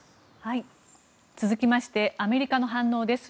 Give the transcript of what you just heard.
続きましてアメリカの反応です。